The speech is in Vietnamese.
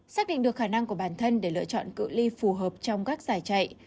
xác định được khả năng của bản thân để lựa chọn cự li phù hợp trong các giải chạy